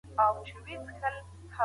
ایا کورني سوداګر وچه الوچه پروسس کوي؟